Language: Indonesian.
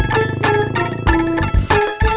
gimana mau diancam